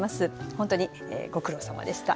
本当にご苦労さまでした。